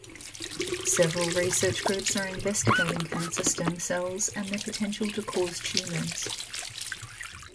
Several research groups are investigating cancer stem cells and their potential to cause tumors.